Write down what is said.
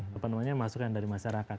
ke penuhannya masukan dari masyarakat